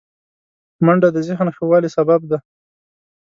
منډه د ذهن ښه والي سبب ده